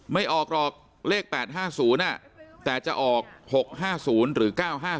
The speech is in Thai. ไม่ออกหรอกเลข๘๕๐แต่จะออก๖๕๐หรือ๙๕๐